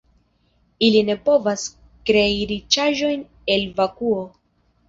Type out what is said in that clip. Ili ne povas krei riĉaĵojn el vakuo.